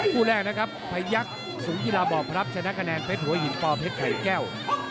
กู้แรกนะครับภัยยักษ์สูงกีฬาบอบพระพชนะกระแนนเพชรหัวหินปลอเพชรไข่แก้ว